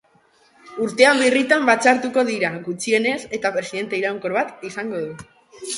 Urtean birritan batzartuko dira, gutxienez eta presidente iraunkor bat izango du.